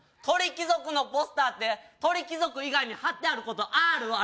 鳥貴族のポスターって鳥貴族以外に張ってあることあーる？